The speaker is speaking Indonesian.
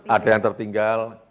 ada yang tertinggal